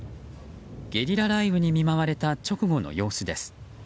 ゲリラ雷雨に見舞われた直後の様子です。